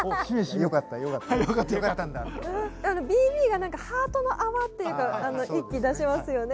ＢＢが何かハートの泡っていうか息出しますよね。